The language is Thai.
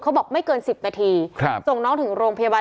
เขาบอกว่าไม่เกิน๑๐มิตรเทียบสุดส่งน้องถึงโรงพยาบาล